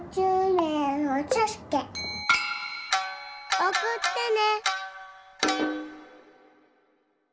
おくってね。